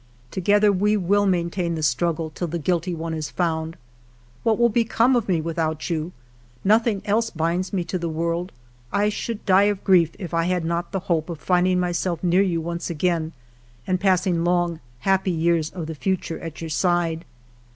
Together we will maintain the struggle till the guilty one is found. What will become of me without you ? Nothing else binds me to the world. I should die of grief if I had not the hope of finding myself near you once again and passing long happy years of the future at your side.